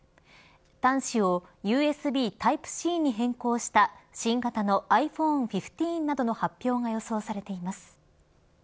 端子をＵＳＢタイプＣに変更した新型のｉＰｈｏｎｅ１５などの発表が予想されています。